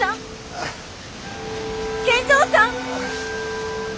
賢三さん！